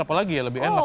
apalagi ya lebih enak